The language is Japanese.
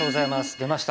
出ました